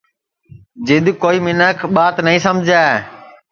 جِد کوئی مینکھ ٻات نائی سمجے